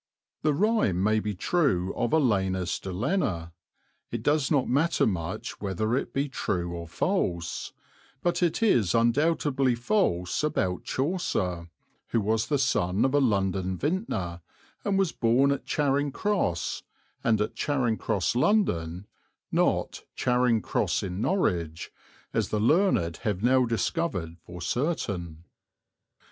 The rhyme may be true of Alanus de Lenna; it does not matter much whether it be true or false; but it is undoubtedly false about Chaucer, who was the son of a London vintner and was born at Charing Cross, and at Charing Cross, London, not Charing Cross in Norwich, as the learned have now discovered for certain.